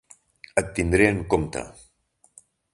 Et tindré en compte.